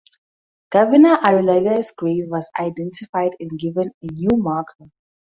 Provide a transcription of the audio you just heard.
Governor Arrillaga's grave was identified and given a new marker.